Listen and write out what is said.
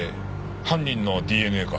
犯人のＤＮＡか。